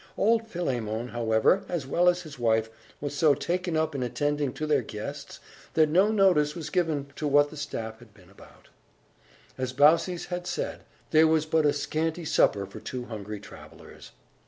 Old Philemon, however, as well as his wife, was so taken up in attending to their guests, that no notice was given to what the staff had been about. As Baucis had said, there was but a scanty supper for two hungry travellers.